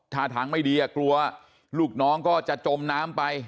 ท่าทางไม่ดีกลัวลูกน้องก็จะจมน้ำไป